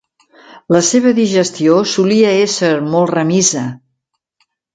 La seva digestió solia ésser molt remisa.